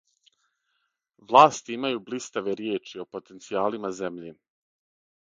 Власти имају блиставе ријечи о потенцијалима земље.